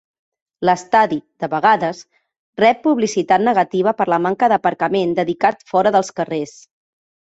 L'estadi, de vegades, rep publicitat negativa per la manca d'aparcament dedicat fora dels carrers.